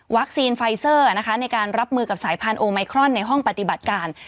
ไฟเซอร์นะคะในการรับมือกับสายพันธุไมครอนในห้องปฏิบัติการ